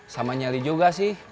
sama nyali juga sih